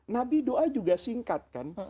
nabi doa juga singkat kan